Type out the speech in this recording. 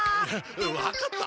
分かった！